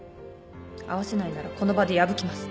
会わせないならこの場で破きます。